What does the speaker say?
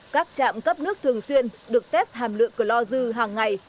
các trạm cấp nước thường xuyên được test hàm lượng cờ lo dư hàng ngày